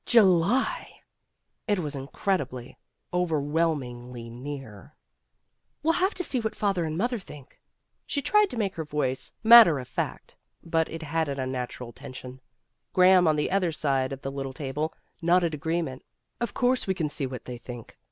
July! It was in credibly, overwhelmingly near. "We'll have to see what father and mother think. '' She tried to make her voice matter of 250 PEGGY RAYMOND'S WAY fact, but it had an unnatural tension. Graham on the other side of the little table, nodded agreement. "Of course we'll see what they think.